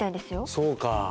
そうか。